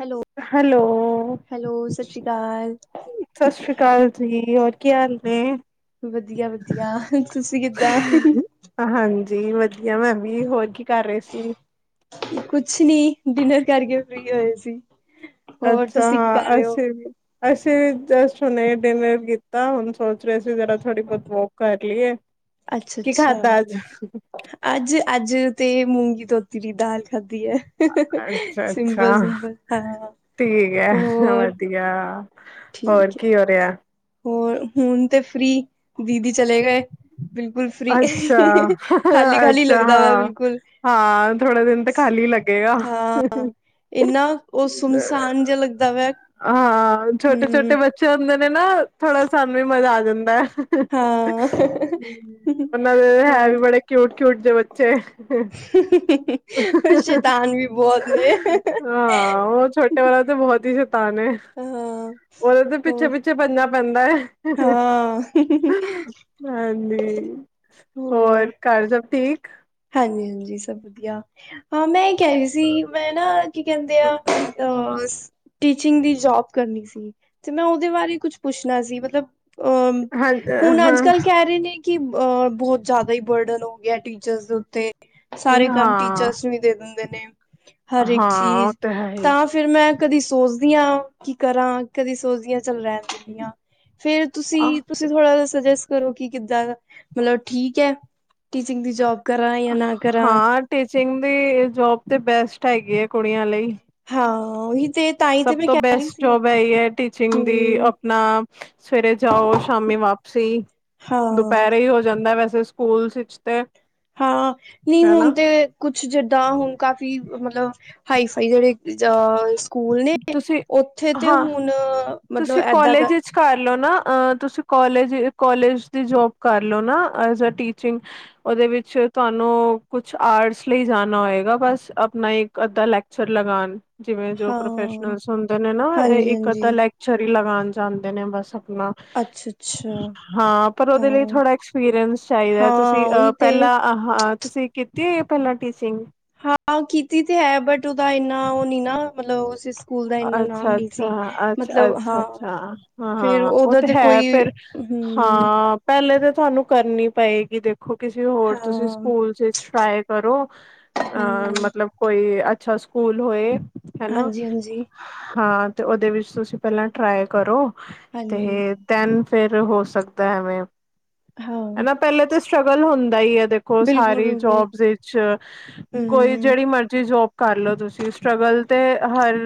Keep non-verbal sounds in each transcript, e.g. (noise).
Hello, hello, hello ਸਾਸੀ ਰੀ ਅਕਾਲ। ਸਸ ਸ਼੍ਰੀ ਅਕਾਲ ਜੀ, ਹੋਰ ਕੀ ਹਾਲ ਨੇ? ਵਧੀਆ-ਵਧੀਆ। ਤੁਸੀਂ ਕਿੱਦਾਂ? ਹਾਂਜੀ ਵਧੀਆ ਮੈ ਵੀ, ਹੋਰ ਕੀ ਕਰ ਰਏ ਸੀ? ਕੁਛ ਨੀ ਡਿਨਰ ਕਰਕੇ ਫ੍ਰਰੀ ਹੋਏ ਸੀ। ਹੋਰ ਅੱਛਾ ਤੁਸੀਂ ਕੀ ਕਰ ਹਾਂ ਰਹੇ ਹੋ? ਅਸੀ ਵੀ ਅਸੀਂ ਵੀ ਜਸਟ ਹੁਨੇ ਡਿਨਰ ਕੀਤਾ ਹੁਣ ਸੋਚ ਰਹੇ ਸੀ ਜਰਾ ਥੋੜੀ-ਬੋਤ ਵੋਕ ਕਰ ਲੀਏ ਕੀ ਅੱਛਾ-ਅੱਛਾ, ਖਾਧਾ ਅੱਜ? ਅੱਜ-ਅੱਜ ਤੇ ਮੂੰਗੀ ਧੋਤੀ ਦੀ ਦਾਲ ਖਾਧੀ ਐ। ਅੱਛਾ-ਅੱਛਾ, ਸਿੰਪਲ-ਸਿੰਪਲ ਹਾਂ ਠੀਕ ਹੈ ਹੋਰ ਵਧੀਆ। ਹੋਰ ਠੀਕ ਹੈ। ਕੀ ਹੋ ਰਿਆ? ਹੋਰ ਹੁਨ ਤੇ ਫਰੀ ਦੀਦੀ ਚਲੇ ਗਏ। ਬਿਲਕੁਲ ਫਰੀ ਅੱਛਾ, ਖਾਲੀ-ਖਾਲੀ ਅੱਛਾ ਲੱਗਦਾ ਵਾ ਹਾਂ। ਬਿਲਕੁਲ ਹਾਂ ਥੋੜੇ ਦਿਨ ਤੇ ਖਾਲੀ ਲੱਗੇਗਾ। ਹਾਂ। ਇੰਨਾ ਉਹ ਸੁਮਸਾਨ ਜਿਹਾ ਲੱਗਦਾ ਵਾ ਹਾਂ ਛੋਟੇ-ਛੋਟੇ ਬੱਚੇ ਹੂੰ ਬੱਚੇ ਹੁੰਦੇ ਨੇ ਨਾ ਥੋੜਾ ਸਾਨੂੰ ਵੀ ਮਜ਼ਾ ਆ ਜਾਂਦਾ ਹੈ। ਹਾਂ ਉਹਨਾਂ ਦੇ ਹੈ ਵੀ ਹੋਰ ਬੜੇ ਕਿਊਟ-ਕਿਊਟ ਜੇ ਬੱਚੇ ਹੋਰ ਸ਼ੈਤਾਨ ਵੀ ਬਹੁਤ ਨੇ ਹਾਂ ਉਹ ਛੋ ਛੋਟੇ ਵਾਲਾ ਤੇ ਬਹੁਤ ਹੀ ਸ਼ਤਾਨ ਐ ਹਾਂ ਓਦੇ ਤੇ ਹੋਰ ਪਿੱਛੇ-ਪਿੱਛੇ ਭਜਨਾ ਪੈਂਦਾ ਐ। ਹਾਂ ਹਾਂਜੀ। ਹੋਰ ਘਰ ਸਭ ਠੀਕ? ਹਾਂਜੀ-ਹਾਂਜੀ ਸਭ ਵਧੀਆ। ਹਾਂ ਮੈਂ ਇਹ ਕਹਿ ਰਹੀ ਸੀ ਮੈਂ ਨਾ ਕੀ ਕਹਿੰਦੇ ਆ ਅਹ ਟੀਚਿੰਗ ਦੀ ਜੋਬ ਕਰਨੀ ਸੀ ਤੇ ਮੈਂ ਉਹਦੇ ਬਾਰੇ ਕੁੱਛ ਪੁੱਛਣਾ ਸੀ ਮਤਲਬ ਅ ਹਾਂ ਹੁਣ ਹਾਂ ਅੱਜ-ਕੱਲ ਕਹਿ ਰਹੇ ਨੇ ਕਿ ਅ ਬਹੁਤ ਜ਼ਿਆਦਾ ਹੀ ਬਰਡਨ ਹੋ ਗਿਆ ਟੀ ਟੀਚਰਸ ਦੇ ਉੱਤੇ ਸਾਰੇ ਕੰਮ ਹਾਂ ਟੀਚਰਸ ਨੂੰ ਵੀ ਦੇ ਦਿੰਦੇ ਨੇ, ਹਰ ਇੱਕ ਹਾਂ ਉਹ ਚੀਜ਼ ਹੈ ਹੀ। ਤਾਂ ਫੇਰ ਮੈਂ ਕਦੀ ਸੋਚਦੀ ਹਾਂ ਕੀ ਕਰਾਂ ਕਦੀ ਸੋਚਦੀ ਹਾਂ ਚੱਲੋ ਰਹਿਣ ਦਿਂਦੀ ਹਾਂ। ਫੇਰ ਤੁਸੀਂ ਤੁਸੀਂ ਥੋੜਾ ਜਿਹਾ ਸੁਜੈਸਟ ਕਰੋ ਕਿ ਕਿੱਦਾਂ ਮਤਲਬ ਠ ਹੈ। ਟੀਚਿੰਗ ਦੀ ਜੋਬ ਕਰਾਂ ਜਾਂ ਨਾ ਕਰਾਂ ਹਾਂ ਟੀਚਿੰਗ ਦੀ ਜੋਬ ਤੇ ਬੈਸਟ ਹੈਗੀ ਆ ਕੁੜੀਆਂ ਲਈ। ਹਾਂ। ਉਹੀ ਤੇ ਤਾਂ ਹੀ ਤੇ ਸਭ ਮੈਂ ਤੋਂ ਕਹਿ ਰਹੀ ਬੈਸਟ ਸੀ ਜੋਬ ਹੈ ਹੀ ਹੈ ਟੀਚਿੰਗ ਦੀ ਹਮ ਆਪਣਾ ਸਵੇਰੇ ਜਾਓ ਸ਼ਾਮੀ ਵਾਪਸੀ ਹਾਂ ਦੁਪਹਿਰੇ ਹੀ ਹੋ ਜਾਂਦਾ ਵੈਸੇ ਤੇ ਹਾਂ ਨਹੀਂ ਹੁਣਲ ਹਨਾ ੜਟ੍ਹਤੇ ਕੁਛ ਜਿੱਦਾਂ ਹੁਨ ਕਾਫੀ ਮਤਲਬ ਹਾਈਫਾਈ ਜਿਹੜੇ ਅ ਸਕੂਲ ਨੇ ਤੁਸੀਂ ਉੱਥੇ ਤੇ ਹਾਂ ਹੁਨ ਮਤਲਬ ਤੁਸੀਂ ਏਦਾਂ ਕਰ ਕਾਲਜ ਵਿੱਚ ਕਰ ਲਓ ਨਾ ਤੁਸੀਂ ਕੋਲਜ-ਕੋਲਜ ਦੀ ਜੋਬ ਕਰ ਲਓ ਨਾ ਐਜ਼ ਆ ਟੀਚਿੰਗ ਓਦੇ ਵਿੱਚ ਤੁਹਾਨੂੰ ਕੁਛ ਆਰਟਸ ਲਈ ਜਾਨਾ ਹੋਏਗਾ ਬਸ ਆਪਣਾ ਇੱਕ ਅੱਧਾ ਲੈ ਛਰ ਲਗਾਣ ਜਿਵੇਂ ਜੋ ਹਾਂ ਪ੍ਰੋਫੈਸ਼ਨਲਸ ਹੁੰਦੇ ਨੇ ਨਾ ਹਾਂਜੀ ਇੱਕ ਅੱਧਾ ਹਾਂਜੀ ਲੈ ਚਰੀ ਲਗਾਉਣ ਜਾਂਦੇ ਨੇ ਬਸ ਆਪਣਾ ਅੱਛਾ ਅੱਛਾ ਹਾਂ, ਪਰ ਉਹਦੇ ਲਈ ਹਾਂ ਥੋੜਾ ਐਕਸਪੀਰੀਅੰਸ ਚਾਹੀਦਾ ਹਾਂ ਤੁਸੀਂ ਅਹ ਉਹੀ ਤੇ ਪਹਿਲਾਂ ਆਹਾਂ ਤੁਸੀਂ ਕੀਤੀ ਹੋ ਪਹਿਲਾਂ ਟੀਚਿੰਗ ਹਾਂ, ਕੀਤੀ ਤੇ ਹੈ ਬਟ ਉਹਦਾ ਇੰਨਾ ਉਹ ਨੀ ਨਾ ਮਤਲਬ ਸਿਸ ਸਕੂਲ ਦਾ ਇੰਨਾ ਨਾਮ ਅੱਛਾ ਨੀ ਅੱਛਾ ਸੀ ਅੱਛਾ ਮਤਲਬ ਅੱਛਾ ਹਾਂ ਅੱਛਾ ਹਾਂ ਫੇਰ ਹਾਂ ਉਹ ਉਹਦਾ ਤੇ ਹੈ ਕੋਈ ਫਿਰ ਹਮ ਹਾਂ ਪਹਿਲੇ ਤਾਂ ਤੁਹਾਨੂੰ ਕਰਨੀ ਪਏਗੀ ਦੇਖੋ ਕਿਸੇ ਹੋਰ ਤੁਸੀਂ ਹਾਂ ਸਕੂਲ ਚ ਟਰਾਏ ਕਰੋ ਅਹ ਹਮ ਮਤਲਬ ਕੋਈ ਅੱਛਾ ਸਕੂਲ ਹੋਏ ਹਨਾ ਹਾਂਜੀ ਹਾਂਜੀ ਹਾਂ, ਤੇ ਉਹਦੇ ਵਿੱਚ ਤੁਸੀਂ ਪਹਿਲਾਂ ਟਰਾਈ ਕਰੋ ਹਾਂਜੀ ਤੇ ਦਨ ਫੇਰ ਹੋ ਸਕਦਾ ਐਵੇਂ ਹਾਂ ਹਨਾ ਪਹਿਲੇ ਤਾਂ ਸਟਰਗਲ ਹੁੰਦਾ ਹੀ ਹੈ। ਦੇਖੋ ਹੁਣ ਬਿਲਕੁਲ ਸਾਰੀ ਬਿਲਕੁਲ ਜੋਬਸ ਵਿੱਚ ਕੋਈ ਹਮ ਜਿਹੜੀ ਮਰਜ਼ੀ ਜੋਬ ਕਰਲੋ ਤੁਸੀਂ ਸਟਰ੍ਰਗਲ ਤੇ ਹਰ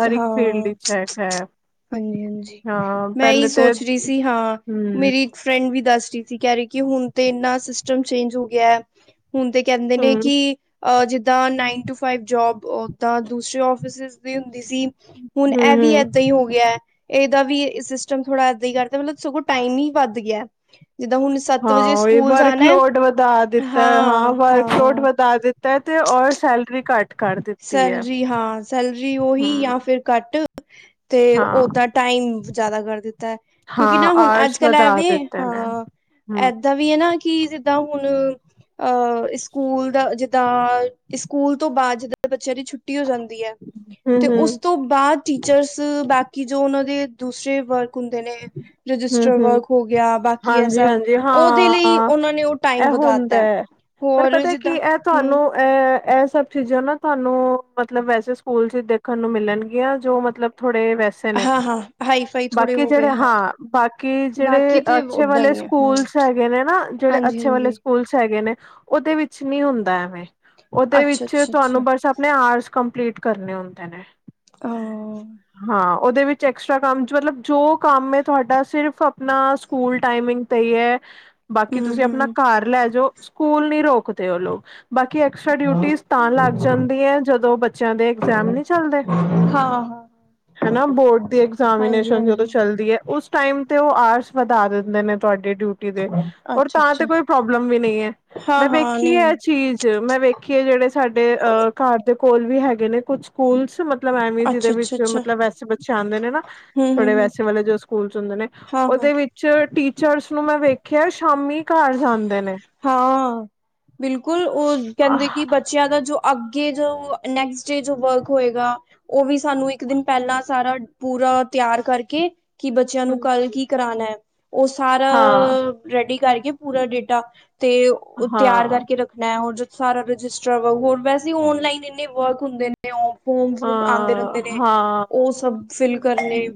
ਹਰ ਇੱਕ ਫੀਲਡ ਵਿੱਚ ਹੈ। ਹੈ ਹਾਂਜੀ- ਹਾਂਜੀ ਹਾਂ ਮੈਂ ਇਹੀ ਪਹਿਲੇ ਤੇ ਸੋਚ ਰਹੀ ਸੀ। ਹਾਂ ਹੂੰ ਮੇਰੀ ਫਰੈਂਡ ਵੀ ਦੱਸ ਰਹੀ ਸੀ ਕਹਿ ਰਹੀ ਕਿ ਹੁਣ ਤੇ ਇੰਨਾ ਸਿਸਟਮ ਚੇਂਜ ਹੋ ਗਿਆ ਹੁਣ ਤੇ ਕਹਿੰਦੇ ਨੇ ਹੂੰ ਕਿ ਜਿੱਦਾਂ ਨਾਈਨ ਟੂ ਫਾਈਵ ਜੋਬ ਓਦਾਂ ਦੂਸਰੇ ਆਫਿਸ ਵੀ ਹੁੰਦੀ ਸੀ ਹੁਣ ਇਹ ਵੀ ਹੂੰ ਏਦਾਂ ਹੀ ਹੋ ਗਿਆ ਇਹਦਾ ਵੀ ਸਿਸਟਮ ਥੋੜਾ ਏਦਾਂ ਹੀ ਕਰਦਾ ਮਤਲਬ ਸਗੋਂ ਟਾਈਮ ਹੀ ਵੱਧ ਗਿਆ। ਜਿੱਦਾਂ ਹੁਣ ਸੱਤ ਹਾਂ, ਵਜੇ ਉਹ ਸਕੂਲ ਜਾਣਾ ਹੈ। ਵਰਕਲੋਡ ਵਧਾ ਦਿੱਤਾ ਹਾਂ ਵਰਕਲੋਡ ਵਧਾ ਦਿੱਤਾ ਪੈਸੇ ਔਰ ਸੈਲਰੀ ਘੱਟ ਕਰ ਦਿੱਤੀ ਹੈ ਸੈਲਰੀ ਹਾਂ ਸੈਲਰੀ ਉਹੀ ਹੂੰ ਆ ਫੇਰ ਘੱਟ ਤੇ ਹਾਂ ਓਦਾਂ ਟਾਈਮ ਜਿਆਦਾ ਕਰ ਦਿੱਤਾ ਹੈ। ਕਿਉਂਕਿ ਹਾਂ ਨਾ ਹੁਣ ਆਰਸ ਅੱਜ ਕੱਲ੍ਹ ਵਧਾ ਐਵੇਂ ਦਿੱਤੇ ਨੇ ਹਾਂ ਹੂੰ ਏਦਾਂ ਵੀ ਹੈ ਨਾ ਕਿ ਜਿੱਦਾਂ ਹੁਣ ਅ ਸਕੂਲ ਦਾ ਜਿੱਦਾਂ ਸਕੂਲ ਤੋਂ ਬਾਅਦ ਜਿੱਦਾਂ ਬੱਚਿਆਂ ਦੀ ਛੁੱਟੀ ਹੋ ਜਾਂਦੀ ਹੈ ਹੂੰ ਤੇ ਉਸ ਹੂੰ ਤੋਂ ਬਾਅਦ ਟੀਚਰਸ ਬਾਕੀ ਜੋ ਉਹਨਾਂ ਦੇ ਦੂਸਰੇ ਵਰਕ ਹੁੰਦੇ ਨੇ ਹੂੰ ਰਜਿਸਟਰ ਹੂੰ ਵਰਕ ਹੋ ਗਿਆ ਬਾਕੀ ਇਹ ਹਾਂਜੀ ਸਭ ਹਾਂਜੀ ਉਹਦੇ ਲਈ ਹਾਂ ਉਹਨਾਂ ਨੇ ਟਾਈਮ ਇਹ ਹੁੰਦਾ ਵਧਾਤਾ ਹੈ ਪਰ ਹੋਰ ਪਤਾ ਕੀ ਜਿੱਦਾਂ ਇਹ ਹਮ ਤੁਹਾਨੂੰ ਐ ਇਹ ਸਭ ਚੀਜ਼ਾਂ ਨਾ ਤੁਹਾਨੂੰ ਮਤਲਬ ਵੈਸੇ ਸਕੂਲ ਚ ਦੇਖਣ ਨੂੰ ਮਿਲਣਗੀਆਂ ਜੋ ਮਤਲਬ ਥੋੜੇ ਵੈਸੇ ਨੇ ਹਾਂ-ਹਾਂ। ਬਾਕੀ ਜਿਹੜੇ ਹਾਂ ਬਾਕੀ ਜਿਹੜੇ ਬਾਕੀ ਤੇ ਅੱਛੇ ਓਦਾਂ ਵਾਲੇ ਹੀ ਹੈ ਹਮ ਸਕੂਲ ਹੈਗੇ ਨੇ ਨਾ ਜਿਹੜੇ ਹਾਂਜੀ ਅੱਛੇ ਵਾਲੇ ਹਾਂਜੀ ਸਕੂਲਸ ਹੈਗੇ ਨੇ ਉਹਦੇ ਵਿੱਚ ਨੀ ਹੁੰਦਾ ਐਵੇਂ ਉਹਦੇ ਅੱਛਾ ਵਿੱਚ ਅੱਛਾ ਅੱਛਾ ਤੁਹਾਨੂੰ ਬਸ ਆਪਣੇ ਆਰਸ ਕੰਪਲੀਟ ਕਰਨੇ ਹੁੰਦੇ ਨੇ। ਹਾਂ। ਹਾਂ, ਉਹਦੇ ਵਿੱਚ ਐਕਸਟਰਾ ਕੰਮ ਚੇ ਮਤਲਬ ਜੋ ਕੰਮ ਹੈ ਤੁਹਾਡਾ ਸਿਰਫ਼ ਆਪਣਾ ਸਕੂਲ ਟਾਈਮਿੰਗ ਤੇ ਹੀ ਹੈ। ਬਾਕੀ ਹਮ ਤੁਸੀਂ ਆਪਣਾ ਹਮ ਘਰ ਲੈ ਜਾਓ ਸਕੂਲ ਨੀ ਰੋਕਦੇ ਉਹ ਲੋਕ ਬਾਕੀ ਐਕਸਟਰਾ ਡਿਊਟੀਜ਼ ਤਾਂ ਲੱਗ ਜਾਂਦੀ ਹੈ ਜਦੋਂ ਬੱਚਿਆਂ ਦੇ ਇਗਜ਼ਾਮ ਨਹੀਂ ਚੱਲਦੇ ਹਾਂ। ਹਾਂ ਹਨਾ ਬੋਰਡ ਦੀ ਹਾਂਜੀ ਐਗਜ਼ਾਮੀਨੇਸ਼ਨ ਦ ਹਾਂਜੀ ਚਲਦੀ ਉਸ ਟਾਈਮ ਤੇ ਉਹ ਆਰਸ ਵਧਾ ਦਿੰਦੇ ਨੇ ਤੁਹਾਡੇ ਡਿਊਟੀ ਅੱਛਾ ਤਾਂ ਅੱਛਾ ਤੇ ਕੋਈ ਪ੍ਰੋਬਲਮ ਵੀ ਨਹੀਂ ਹੈ। ਹਾਂ ਮੈਂ ਹਾਂ ਵੇਖੀ ਹੈ ਨਹੀਂ ਇਹ ਚੀਜ਼ ਮੈਂ ਵੇਖ ਕੀ ਜਿਹੜੇ ਸਾਡੇ ਅ ਘਰ ਦੇ ਕੋਲ ਵੀ ਹੈਗੇ ਨੇ ਕੁੱਛ ਸਕੂਲਸ ਮਲਬ ਮਤਲਬ ਐਵੇ ਜਿਹਦੇ ਅੱਛਾ ਅੱਛਾ ਵਿੱਚ ਅੱਛਾ ਮਤਲਬ ਵੈਸੇ ਬੱਚੇ ਆਉਂਦੇ ਨੇ ਨਾ ਹਮ ਥੋੜੇ ਹਮ ਹਮ ਵੈਸੇ ਵਾਲੇ ਜੋ ਸਕੂਲ ਚ ਹੁੰਦੇ ਨੇ। ਹਾਂ ਹਾਂ ਉਹਦੇ ਵਿੱਚ ਜਦੋ ਟੀਚਰਸ ਨੂੰ ਮੈਂ ਵੇਖਿਆ ਸ਼ਾਮੀ ਘਰ ਜਾਂਦੇ ਨੇ। ਹਾਂ, ਬਿਲਕੁਲ ਉਹ ਹਾਂ ਕਹਿੰਦੇ ਕਿ ਬੱਚਿਆਂ ਦਾ ਜੋ ਅੱਗੇ ਜੋ ਨੈਕਸਟ ਡੇ ਜੋ ਵਰਕ ਹੋਏਗਾ। ਉਹ ਵੀ ਸਾਨੂੰ ਇੱਕ ਦਿਨ ਪਹਿਲਾਂ ਸਾਰਾ ਪੂਰਾ ਤਿਆਰ ਕਰਕੇ। ਕਿ ਬੱਚਿਆਂ ਨੂੰ ਕੱਲ ਕੀ ਕਰਾਣਾ ਹੈ ਉਹ ਸਾਰਾ ਹਾਂ ਰੈਡੀ ਕਰਕੇ ਪੂਰਾ ਡੇਟਾ ਤੇ ਉਹ ਤਿਆਰ ਹਾਂ ਕਰਕੇ ਰੱਖਣਾ ਹੈ ਹੋਰ ਜੋ ਸਾਰਾ ਰਜਿਸਟਰ ਵਾਂਗੂੰ ਹੋਰ ਵੈਸੇ ਓਨਲਾਈਨ ਇੰਨੇ ਵਰਕ ਹੁੰਦੇ ਨੇ। ਉਹ ਫੋਮ ਫੂਮ ਆਂਦੇ ਹਾਂ ਰਹਿੰਦੇ ਨੇ ਹਾਂ ਉਹ ਸਭ ਫਿਲ ਕਰਨੇ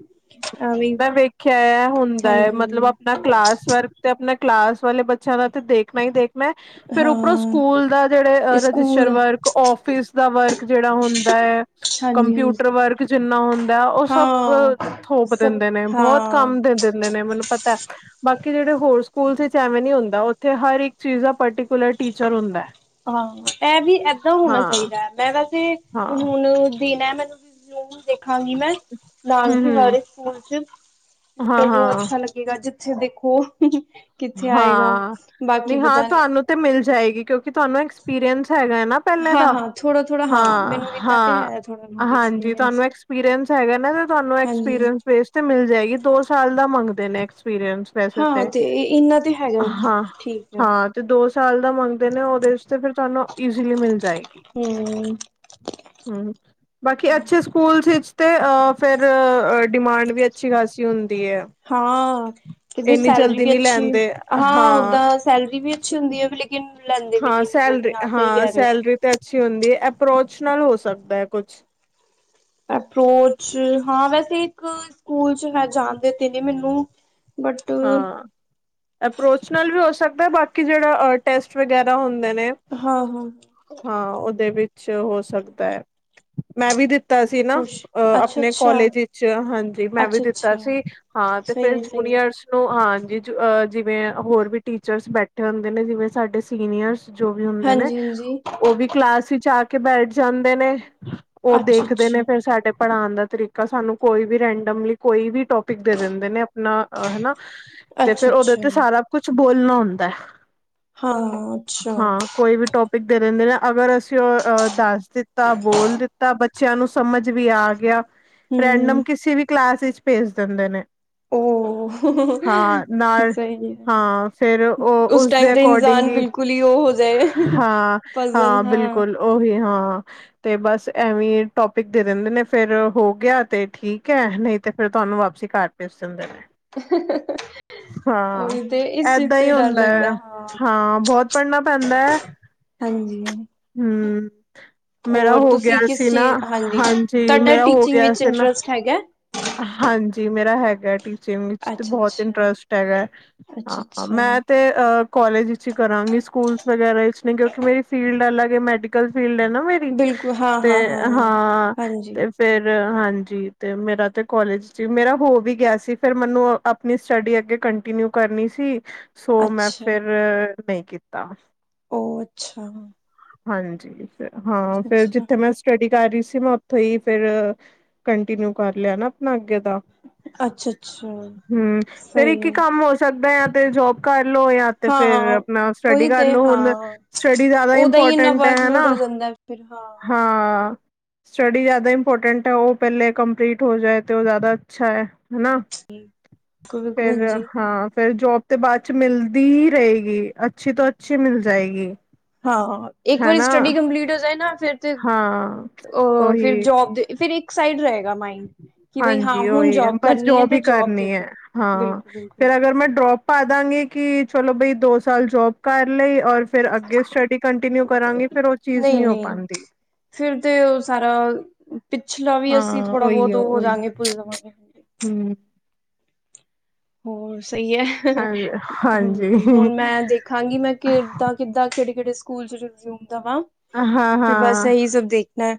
ਐਵੀਂ ਖਿਆ ਹੁੰਦਾ ਹੈ ਮਤਲਬ ਆਪਣਾ ਕਲਾਸ ਵਰਕ ਤੇ ਆਪਣਾ ਕਲਾਸ ਵਾਲੇ ਬੱਚਿਆਂ ਦਾ ਤੇ ਦੇਖਣਾ ਹੀ ਦੇਖ ਮੈਂ ਫਿਰ ਉਪਰੋਂ ਹਾਂ ਸਕੂਲ ਦਾ ਜਿਹੜੇ ਰਜਿਸਟਰ ਸਕੂਲ ਵਰਕ ਆਫਿਸ ਦਾ ਵਰਕ ਜਿਹੜਾ ਹੁੰਦਾ ਐ। ਹਾਂਜੀ ਹਾਂਜੀ ਕੰਪਿਊਟਰ ਵਰਕ ਜਿੰਨਾ ਹੁੰਦਾ ਉਹ ਸਭ ਹਾਂ ਥੋਪ ਸਭ ਦਿੰਦੇ ਨੇ ਬਹੁਤ ਹਾਂ ਕੰਮ ਦੇ ਦਿੰਦੇ ਨੇ ਮੈਨੂੰ ਪਤਾ ਬਾਕੀ ਜਿਹੜੇ ਹੋਰ ਸਕੂਲ 'ਚ ਐਵੇਂ ਨੀ ਹੁੰਦਾ ਉੱਥੇ ਹਰ ਇੱਕ ਚੀਜ਼ ਦਾ ਪਾਟੀ ਕੁਲਰ ਸਕੂਲ ਟੀਚਰ ਹੁੰਦਾ। ਹਾਂ ਇਹ ਵੀ ਏਦਾਂ ਹੋਣਾ ਹਾਂ ਚਾਹੀਦਾ ਮੈਂ ਵੈਸੇ ਹਾਂ ਹੁਣ ਦੇਨਾ ਮੈਨੂੰ ਵੀ ਰੂਲ ਦੇਖਾਂਗੀ ਮੈਂ ਨਾਲ ਹਮ ਹੀ ਹਮ ਹਰ ਸਕੂਲ 'ਚ ਹਾਂ ਹਾਂ ਮੈਨੂੰ ਅੱਛਾ ਲੱ ਠੀਕ ਆ ਜਿਥੇ ਦੇਖੋ ਕਿੱਥੇ ਆਏਗਾ ਹਾਂ ਬਾਕੀ ਨਹੀਂ ਹਾਂ ਪਤਾ ਨਹੀ ਤੁਹਾਨੂੰ ਤੇ ਮਿਲ ਜਾਏਗੀ ਕਿਉ ਕਿ ਤੁਹਾਨੂੰ ਐਕਸਪੀਰੀਅੰਸ ਹੈਗਾ ਹੈ ਨਾ ਪਹਿਲੇ ਹਾਂ ਦਾ ਹਾਂ ਥੋੜਾ ਥੋੜਾ ਹਾਂ ਮੈਨੂੰ ਇੰਨਾ ਤੇ ਹਾਂ-ਹਾਂ। ਹੈ ਥੋੜਾ ਬਹੁਤ ਹਾਂਜੀ ਤੁਹਾਨੂੰ ਐਕਸਪੀਰੀਅੰਸ ਐਕਸਪੀਰੀਅੰਸ ਹੈਗਾ ਨਾ ਤੇ ਤੁਹਾਨੂੰ ਹਾਂਜੀ ਐਕਸਪੀਰੀਅੰਸ ਬੇਸ ਤੇ ਮਿਲ ਜਾਏਗੀ ਦੋ ਸਾਲ ਦਾ ਮੰਗਦੇ ਨੇ ਐਕਸਪੀਰੀਅੰਸ ਹਾਂ ਤੇ ਇਹਨਾ ਤੇ ਹੈ। ਹੈਗਾ ਹਾਂ ਠੀਕ ਹਾਂ-ਹਾਂ ਤੇ ਦੋ ਸਾਲ ਦਾ ਮੰਗਦੇ ਨੇ ਉਹਦੇ ਤੇ ਫਿਰ ਤੁਹਾਨੂੰ ਈਜ਼ਲੀ ਮਿਲ ਜਾਏਗੀ। ਹੂੰ ਹਾਂ ਬਾਕੀ ਅੱਛੇ ਸਕੂਲਸ 'ਚ ਤੇ ਫਿਰ ਡਿਮਾਂਡ ਵੀ ਅੱਛੀ ਖ਼ਾਸੀ ਹੁੰਦੀ ਹੈ। ਹਾਂ ਕਦੇ ਇੰਨੀ ਸੈਲਰੀ ਜਲਦੀ ਵੀ ਨਹੀਂ ਅੱਛੀ ਲੈਂਦੇ ਹਾਂ ਓਦਾਂ ਸੈਲਰੀ ਵੀ ਅੱਛੀ ਹੁੰਦੀ ਹੈ ਵੀ ਕਿ ਲੈਂਦੇ ਵੀ ਨੀ ਹਾਂ ਇੰਨੀ ਸੈਲਰੀ ਜਲਦੀ ਹਾਂ ਸਹੀ ਕਹਿ ਰਹੇ ਹੋ। ਸੈਲਰੀ ਤੇ ਅੱਛੀ ਹੁੰਦੀ ਹੈ ਅਪਰੋਚ ਨਾਲ ਹੋ ਸਕਦਾ ਹੈ ਕੁਛ ਅਪਰੋਚ ਹਾਂ ਵੈਸੇ ਇੱਕ ਸਕੂਲ 'ਚ ਹੈ ਜਾਣਦੇ ਤੇ ਨੇ ਮੈਨੂੰ ਬਟ ਹਾਂ ਅਪਰੋਚ ਨਾਲ ਵੀ ਹੋ ਸਕਦਾ ਬਾਕੀ ਜਿਹੜਾ ਅਹ ਟੈਸਟ ਵਗੈਰਾ ਹੁੰਦੇ ਨੇ। ਹਾਂ-ਹਾਂ ਹਾਂ ਉਹਦੇ ਵਿੱਚ ਹੋ ਸਕਦਾ ਹੈ ਮੈਂ ਵੀ ਦਿੱਤਾ ਸੀ ਨਾ। ਕੁਛ ਅ ਅੱਛਾ ਆਪਣੇ ਅੱਛਾ ਕੋਲਜ ਵਿੱਚ ਹਾਂਜੀ ਮੈਂ ਵੀ ਅੱਛਾ ਦਿੱਤਾ ਅੱਛਾ ਸੀ ਹਾਂ ਤੇ ਫਿਰ ਸਹੀ ਹੈ ਸਹੀ ਹੈ ਜੂਨੀਅਰਸ ਮੰਨ ਲਓ ਹਾਂਜੀ ਜਿਵੇਂ ਹੋਰ ਵੀ ਟੀਚਰਸ ਬੈਠੇ ਹੁੰਦੇ ਨੇ ਜਿਵੇਂ ਸਾਡੇ ਸੀਨੀਅਰਸ ਜੋ ਵੀ ਹੁੰਦੇ ਨੇ ਹਾਂਜੀ ਹਾਂਜੀ ਉਹ ਵੀ ਕਲਾਸ ਵਿੱਚ ਆ ਕੇ ਬੈਠ ਜਾਂਦੇ ਨੇ। ਉਹ ਅੱਛਾ ਦੇਖਦੇ ਨੇ ਅੱਛਾ ਫਿਰ ਸਾਡੇ ਪੜ੍ਹਾਂਣ ਦਾ ਤਰੀਕਾ ਸਾਨੂੰ ਕੋਈ ਵੀ ਰੈਂਡਮਲੀ ਕੋਈ ਵੀ ਟੋਪਿਕ ਦੇ ਦਿੰਦੇ ਨੇ ਆਪਣਾ ਹਨਾ। ਤੇ ਅੱਛਾ ਫਿਰ ਉਹਦੇ ਅੱਛਾ ਤੇ ਸਾਰਾ ਕੁਛ ਬੋਲਣਾ ਹੁੰਦਾ। ਹਾਂ ਅੱਛਾ। ਹਾਂ ਕੋਈ ਵੀ ਟੋਪਿਕ ਦੇ ਦਿੰਦੇ ਨੇ ਅਗਰ ਅਸੀਂ ਉਹ ਦੱਸ ਦਿੱਤਾ ਬੋਲ ਦਿੱਤਾ ਬੱ ਬੱਚਿਆਂ ਨੂੰ ਸਮਝ ਵੀ ਆ ਗਿਆ ਰੈਂਡਮ ਹਮ ਕਿਸੀ ਵੀ ਕਲਾਸ ਵਿੱਚ ਭੇਜ ਦਿੰਦੇ ਨੇ। ਉਹ ਹਾਂ ਨਾਲ ਸਹੀ ਹਾਂ ਫਿਰ ਹੈ ਉਹ ਉਸ ਟਾਈਮ ਉਸਦੇ ਤੇ ਅਕੋਰਡਿੰਗ ਇਨਸਾਨ ਹੀ ਬਿਲਕੁਲ ਕੁਲੀ ਉਹ ਹੋ ਜਾਏ ਹਾਂ, ਪਜਲ ਹਾਂ ਬਿਲਕੁਲ ਉਹੀ ਹੈ ਹਾਂ। ਤੇ ਬਸ ਐਵੀਂ ਟੋਪਿਕ ਦੇ ਦਿੰਦੇ ਨੇ ਫੇਰ ਹੋ ਗਿਆ ਤੇ ਠੀਕ ਹੈ ਨਹੀਂ ਤੇ ਫੇਰ ਤੁਹਾਨੂੰ ਵਾਪਸੀ ਘਰ ਭੇਜ ਦਿੰਦੇ ਨੇ। (inaudible) ਹਾਂ ਉਹੀ ਤੇ ਇਸ ਚੀਜ਼ ਏਦਾਂ ਤੋਂ ਹੀ ਡਰ ਹੁੰਦਾ ਹੈ ਲੱਗਦਾ ਹਾਂ ਬਹੁਤ ਪੜ੍ਹਨਾ ਪੈਂਦਾ। ਹਾਂਜੀ ਹੂੰ ਮੇਰਾ ਹੋਰ ਹੋ ਗਿਆ ਤੁਸੀਂ ਕਿਸ ਸੀ ਨਾ ਚੀਜ਼ ਹਾਂਜੀ ਤੁਹਾਡਾ ਮੇਰਾ ਹੋ ਟੀਚਿੰਗ ਗਿਆ ਵਿੱਚ ਸੀ ਨਾ। ਇੰਟਰਸਟ ਹੈਗਾ ਹਾਂਜੀ ਮੇਰਾ ਹੈਗਾ ਟੀਚਿੰਗ। ਵਿੱਚ ਤੇ ਅੱਛਾ ਬਹੁਤ ਅੱਛਾ ਇੰਟਰਸਟ ਹੈਗਾ ਅੱਛਾ ਹਾਂ ਅੱਛਾ ਮੈਂ ਤੇ ਅ। ਕਾਲਜ ਵਿਚ ਹੀ ਕਰਾਂਗੀ ਸਕੂਲ ਵਗੈਰਾ ਵਿਚ ਨੇ ਕਿਉਂਕਿ ਮੇਰੀ ਫੀਲਡ ਅਲੱਗ ਮੈਡੀਕਲ ਫੀਲਡ ਹੈ ਨਾ ਮੇਰੀ। ਬਿਲਕੁਲ ਹਾਂ ਤੇ ਹਾਂ ਹਾਂ ਹਾਂਜੀ ਤੇ ਫਿਰ ਹਾਂਜੀ ਤੇ ਮੇਰਾ ਤੇ ਕੋਾਲਜ ਸੀ ਮੇਰਾ ਹੋ ਵੀ ਗਿਆ ਸੀ ਫੇਿਰ ਮੈਨੂੰ। ਆਪਣੀ ਸਟੱਡੀ ਅੱਗੇ ਕੰਟੀਨਿਊ ਕਰਨੀ ਸੀ ਸੋ ਮੈਂ ਅੱਛਾ ਫਿਰ ਨਹੀਂ ਕੀਤਾ। ਉਹ ਅੱਛਾ। ਹਾਂਜੀ ਹਾਂ ਫੇਿਰ ਅੱਛਾ ਜਿੱਥੇ ਮੈਂ। ਸਟੱਡੀ ਕਰ ਰਹੀ ਸੀ ਮੈਂ ਉੱਥੋਂ ਹੀ ਫੇਿਰ ਕੰਟੀਨਿਊ ਕਰ ਲਿਆ ਨਾ ਆਪਣਾ ਅੱਗੇ ਦਾ। ਅੱਛਾ। ਅੱਛਾ ਹੂੰ ਫੇਰ ਸਹੀ ਇੱਕ ਹੀ ਹੈ ਕੰਮ ਹੋ ਸਕਦਾ ਜਾ ਤੇ ਜੋਬ ਕਰ ਲੋ ਜਾਂ ਤੇ ਹਾਂ ਫੇਰ। ਨਾਲ ਸਟੱਡੀ ਉਹੀ ਤੇ ਕਰਲੋ ਹੁਣ ਹਾਂ ਸਟੱਡੀ ਜਿਆਦਾ ਉਹਦਾ ਹੀ ਇੰਨਾ ਇੰਪੋਰਟੈਂਟ ਹੈ ਹਨਾ। ਵਰਕਲੋਡ ਹੋ ਜਾਂਦਾ ਫਿਰ ਹਾਂ ਹਾਂ। ਸਟੱਡੀ ਜ਼ਿਆਦਾ ਇੰਪੋਰਟੈਂਟ ਹੈ ਉਹ ਪਹਿਲੇ ਕੰਪਲੀਟ ਹੋ ਜਾਏ ਤੇ ਉਹ ਜ਼ਿਆਦਾ ਅੱਛਾ ਹੈ ਹਨਾ। ਹੂੰ। ਫਿਰ ਹਾਂ ਫੇਰ ਜੋਬ। ਤੇ ਬਾਅਦ 'ਚ ਮਿਲਦੀ ਹੀ ਰਹੇਗੀ ਅੱਛੀ ਤੋਂ ਅੱਛੀ ਮਿਲ ਜਾਏਗੀ। ਹਾਂ ਇੱਕ ਵਾਰੀ ਹੈਨਾ ਸਟੱਡੀ ਕੰਪਲੀਟ ਹੋ ਜਾਏ ਨਾ ਫਿਰ ਤੇ। ਹਾਂ ਅ ਫਿਰ ਉਹੀ ਜੋਬ ਦੇ ਫਿਰ ਇੱਕ ਸਾਈਡ ਰਹੇਗਾ ਮਾਈੰਡ। ਹਾਂਜੀ ਉਹੀ ਹੈ ਬਸ ਜੋਬ ਹੀ ਦੇ ਕਰਨੀ ਹੈ ਤੇ ਹਾਂ ਬਿਲਕੁਲ ਬਿਲਕੁਲ ਫਿਰ ਅਗਰ ਮੈਂ ਡਰੋਪ। ਪਾ ਦਾਂਗੇ ਕਿ ਚਲੋ ਬਈ ਦੋ ਸਾਲ ਜੋਬ ਕਰ ਲਈਏ ਔਰ। ਫਿਰ ਅੱਗੇ ਸਟੱਡੀ ਕੰਟੀਨਿਊ ਕਰਾਂਗੀ ਫੇਰ ਉਹ ਚੀਜ਼ ਨਹੀਂ ਹੋ ਪਾਉਂਦੀ। ਫਿਰ ਤੇ ਉਹ ਸਾਰਾ ਪਿਛਲਾ ਵੀ ਅਸੀਂ ਹਾਂ ਥੋੜਾ ਬਹੁਤ ਉਹ ਹੋ ਜਾਂਗੇ ਭੁੱਲ ਜਾਵਾਂਗੇ। ਹਾਂਜੀ, ਹੂੰ। ਹੋਰ ਸਹੀ ਹੈ ਹਾਂਜੀ ਹੁਣ ਮੈਂ ਦੇਖਾਂਗੀ ਮੈਂ ਕਿੱਦਾਂ। ਕਿੱਦਾਂ ਕਿਹੜੇ- ਕਿਹੜੇ ਸਕੂਲ 'ਚ ਰਜੂਮ ਦਾਵਾਂ ਹਾਂ ਫੇਰ ਬਸ ਹਾਂ ਇਹੀ ਸਭ ਦੇਖਣਾ ਹੈ।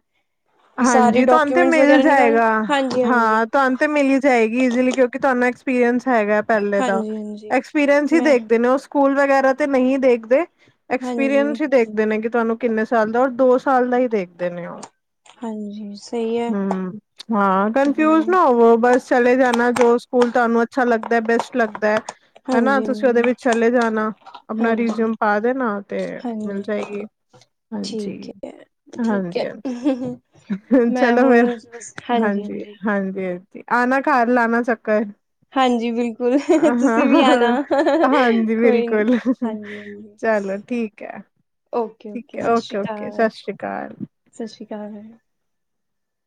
ਸਾਰੇ ਹਾਂਜੀ ਤੁਹਾਨੂੰ ਤੇ ਡਾਕੂਮੈਂਟਸ ਮਿਲ ਵਗੈਰਾ ਨਿਕਾਲ ਜਾਏਗਾ ਹਾਂਜੀ ਹਾਂਜੀ ਹਾਂ। ਤੁਹਾਨੂੰ ਤੇ ਮਲੀ ਜਾਏਗੀ ਇਜ਼ਲੀ ਕਿਉਂਕਿ ਤੁਹਾਨੂੰ ਐਕਸਪੀਰੀਅੰਸ ਹੈਗਾ। ਪ ਦਾ ਹਾਂਜੀ ਹਾਂਜੀ ਐਕਸਪੀਰੀੰਸ ਹੀ ਮੈਂ ਦੇਖਦੇ ਨੇ ਉਹ ਸਕੂਲ ਵਗੈਰਾ ਤੇ ਨਹੀਂ ਦੇਖਦੇ। ਹਾਂਜੀ ਐਕਸਪੀਰੀਅੰਸ ਹੀ ਦੇਖਦੇ ਨੇ ਕਿ ਤੁਹਾਨੂੰ ਕਿੰਨੇ ਸਾਲ ਦਾ ਔਰ ਦੋ ਸਾਲ ਦਾ ਹੀ ਦੇਖਦੇ ਨੇ ਉਹ। ਹਾਂਜੀ। ਸਹੀ ਹੈ ਹਮ ਹਾਂ ਹਮ ਕਨਫਿਊਜ ਨਾ ਹੋਵੋ ਬਸ। ਚਲੇ ਜਾਣਾ ਜੋ ਸਕੂਲ ਤੁਹਾਨੂੰ ਅੱਛਾ ਲੱਗਦਾ ਬੈਸਟ ਲੱਗਦਾ ਹੈ। ਹਨਾ ਹਾਂਜੀ ਤੁਸੀਂ ਹਾਂਜੀ ਉਹਦੇ ਵਿੱਚ ਚਲੇ ਜਾਣਾ ਆਪਣਾ ਹਾਂਜੀ ਰਜ਼ਊਮ ਪਾ ਦੇਣਾ ਤੇ ਮਿਲ ਹਾਂਜੀ ਜਾਏਗੀ। ਹਾਂਜੀ ਠੀਕ ਹੈ - ਠੀਕ ਹਾਂਜੀ ਹੈ - ਹਾਂਜੀ। ਮੈਂ ਚਲੋ ਹੁਣ ਫਿਰ ਬਸ ਹਾਂਜੀ -ਹਾਂਜੀ- ਹਾਂਜੀ ਆਣਾ ਘਰ ਲਾਉਣਾ ਚੱਕਰ। ਹਾਂਜੀ ਬਿਲਕੁਲ ਹਾਂ ਤੁਸੀਂ ਵੀ ਆਣਾ ਹ ਹਾਂਜੀ ਕੋਈ ਨੀ ਬਿਲਕੁਲ ਹਾਂਜੀ ਹਾਂਜੀ ਚੱਲੋ। ਠੀਕ ਹੈ ਓਕੇ ਠੀਕ ਹੈ ਸਤਿ ਓਕੇ ਸ਼੍ਰੀ ਓਕੇ ਅਕਾਲ ਸਤਿ ਸ਼੍ਰੀ ਅਕਾਲ। ਸਤਿ ਸ਼੍ਰੀ ਅਕਾਲ।